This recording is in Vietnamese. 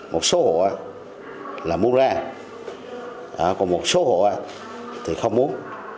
một số hộ là muốn ra còn một số hộ thì không muốn